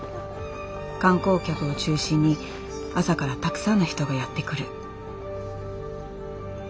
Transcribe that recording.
観光客を中心に朝からたくさんの人がやって来る。